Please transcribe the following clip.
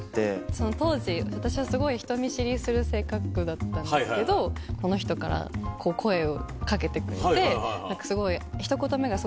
その当時私はすごい人見知りする性格だったんですけどこの人から声をかけてくれて何かすごい。